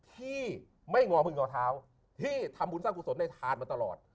ที่ไม่งอเมืองเก่าเท้าที่ทำบุญสร้างภูสนได้ทานมาตลอด